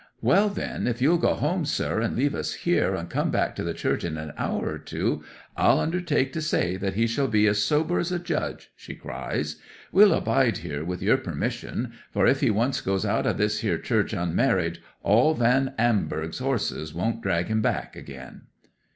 '"Well, then, if you'll go home, sir, and leave us here, and come back to the church in an hour or two, I'll undertake to say that he shall be as sober as a judge," she cries. "We'll bide here, with your permission; for if he once goes out of this here church unmarried, all Van Amburgh's horses won't drag him back again!"